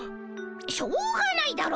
しょうがないだろ。